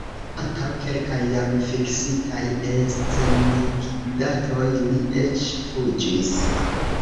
Antaŭ kelkaj jam fiksitaj enscenigdatoj li eĉ fuĝis.